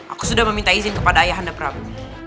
aku sudah meminta izin kepada ayah anda prabu